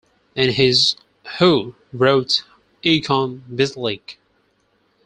In his Who wrote Ikon Basilike?